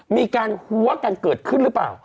มีการหัวกันเกิดขึ้นหรือเปล่า